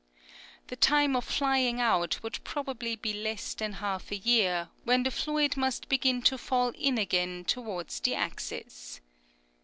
The time of flying out would probably be less than half a year, when the fluid must begin to fall in again towards the axis.